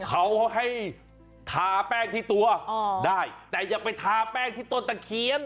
เขาให้ทาแป้งที่ตัวได้แต่อย่าไปทาแป้งที่ต้นตะเคียน